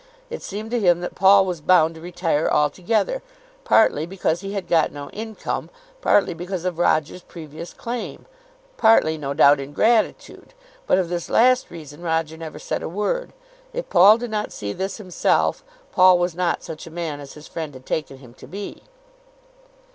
It seemed to him that Paul was bound to retire altogether, partly because he had got no income, partly because of Roger's previous claim, partly no doubt in gratitude, but of this last reason Roger never said a word. If Paul did not see this himself, Paul was not such a man as his friend had taken him to be.